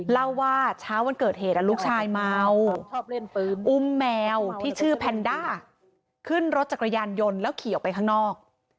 เล่าว่าเช้าวันเกิดเหตุลูกชายเมาอุ้มแมวที่ชื่อแพนด้าขึ้นรถจักรยานยนต์แล้วขี่ออกไปข้างนอก